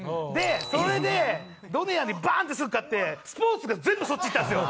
それでドネアにバーンってすぐ勝ってスポーツが全部そっちいったんですよ。